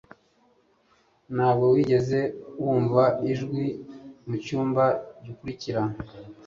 Ntabwo wigeze wumva ijwi mucyumba gikurikira